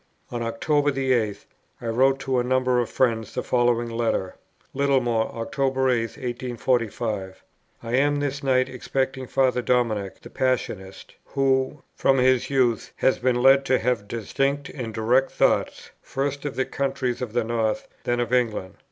On October the 8th I wrote to a number of friends the following letter: "Littlemore, October 8th, 1845. I am this night expecting Father Dominic, the Passionist, who, from his youth, has been led to have distinct and direct thoughts, first of the countries of the North, then of England.